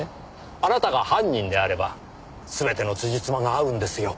あなたが犯人であれば全てのつじつまが合うんですよ。